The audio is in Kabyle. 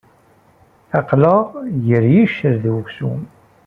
Aql-aɣ ger iccer d uksum